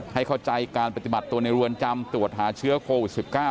ให้เข้าใจการปฏิบัติตัวในรวนจำตรวจหาเชื้อโควิด๑๙